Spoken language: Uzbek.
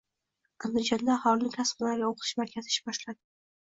Andijonda “Aholini kasb-hunarga o‘qitish” markazi ish boshladi